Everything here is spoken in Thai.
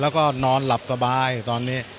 แล้วก็นอนหลับสบายตอนนี้